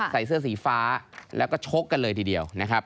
ใส่เสื้อสีฟ้าแล้วก็ชกกันเลยทีเดียวนะครับ